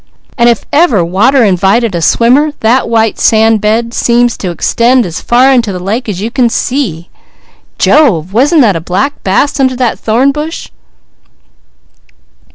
And if ever water invited a swimmer that white sand bed seems to extend as far into the lake as you can see. Jove! Wasn't that a black bass under that thorn bush?"